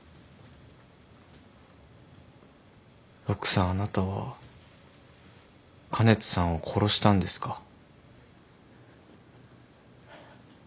陸さんあなたは香音人さんを殺したんですか？